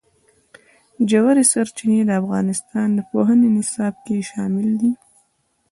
ژورې سرچینې د افغانستان د پوهنې نصاب کې شامل دي.